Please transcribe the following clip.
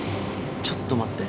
ちょっと待って。